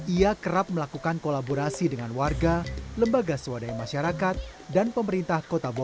ia kerap melakukan kolaborasi dengan warga lembaga swadaya masyarakat dan pemerintah kota bogor